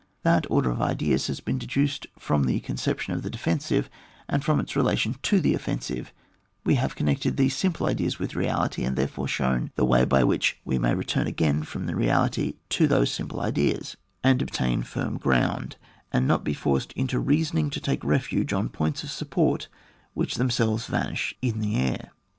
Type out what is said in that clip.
That order of ideas has been deduced from the conception of the defensive, and from its relation to the offensive; we have connected these simple ideas with reality, and therefor shown the way by which we may return again from the reality to those simple ideas, and obtain firm ground, and not be forced in reason ing to take refuge on points of support w£ach themselves vanish in the air.